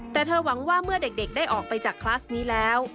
แต่เธอหวังว่าเมื่อเด็กได้ออกไปจากคลัสนี้แล้ว